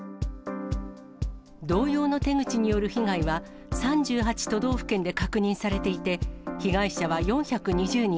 同様の手口による被害は、３８都道府県で確認されていて、被害者は４２０人、